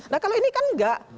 nah kalau ini kan enggak